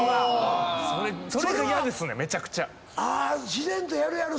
自然とやるやる！